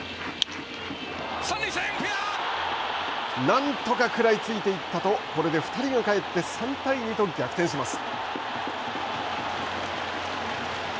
何とか食らいついていったとこれで２人が帰って３対２と逆転します。